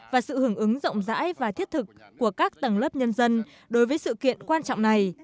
và sự hưởng ứng rộng rãi và thiết thực của các tầng lớp nhân dân đối với sự kiện quan trọng này